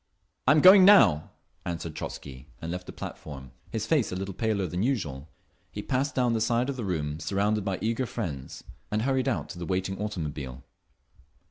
"I'm going now!" answered Trotzky, and left the platform. His face a little paler than usual, he passed down the side of the room, surrounded by eager friends, and hurried out to the waiting automobile.